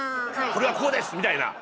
これはこうです！みたいな。